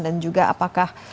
ya terima kasih